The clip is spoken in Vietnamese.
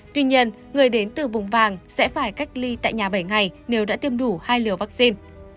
tuy nhiên người đến từ vùng vàng sẽ phải cách ly tại nhà bảy ngày nếu đã tiêm đủ hai liều vaccine